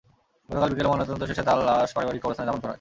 গতকাল বিকেলে ময়নাতদন্ত শেষে তাঁর লাশ পারিবারিক কবরস্থানে দাফন করা হয়।